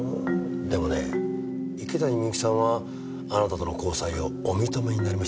でもね池谷美由紀さんはあなたとの交際をお認めになりましたよ。